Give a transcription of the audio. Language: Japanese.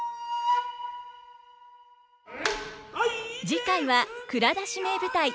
次回は「蔵出し！名舞台」。